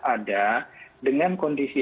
ada dengan kondisi